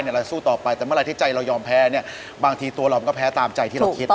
ในรอบนี้คุณตักได้เท่าไร